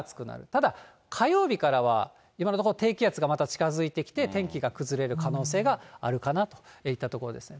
ただ、火曜日からは今のところ低気圧がまた近づいてきて、天気が崩れる可能性があるかなといったところですね。